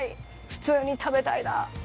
普通に食べたいなぁ！